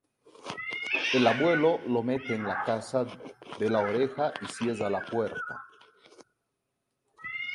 El abuelo lo mete en la casa de la oreja y cierra la puerta.